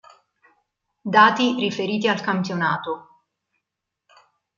Dati riferiti al campionato.